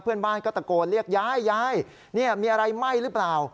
เพื่อนบ้านก็ตะโกนเรียกยายยายมีอะไรไหม้หรือเปล่า